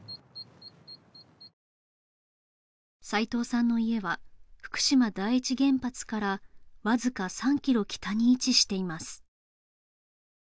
齊藤さんの家は福島第一原発からわずか３キロ北に位置しています